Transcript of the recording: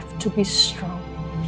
aku harus kuat